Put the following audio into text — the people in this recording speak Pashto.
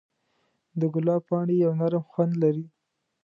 د ګلاب پاڼې یو نرم خوند لري.